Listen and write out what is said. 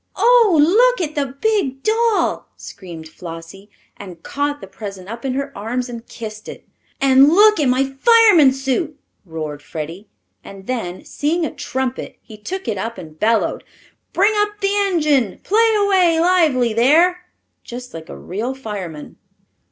"Oh, look at the big doll!" screamed Flossie, and caught the present up in her arms and kissed it. "And look at my fireman's suit!" roared Freddie, and then, seeing a trumpet, he took it up and bellowed: "Bring up the engine! Play away lively there!" just like a real fireman.